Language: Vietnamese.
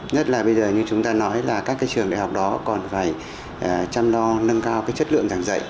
nhất là bây giờ như chúng ta nói là các trường đại học đó còn phải chăm lo nâng cao chất lượng giảng dạy